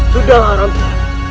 sudahlah orang tua